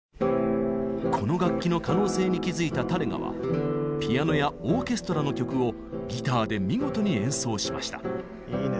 この楽器の可能性に気づいたタレガはピアノやオーケストラの曲をギターで見事に演奏しました。